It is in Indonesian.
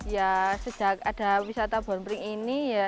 ya sejak ada wisata bon pring ini